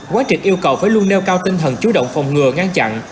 quán trị yêu cầu phải luôn nêu cao tinh thần chú động phòng ngừa ngăn chặn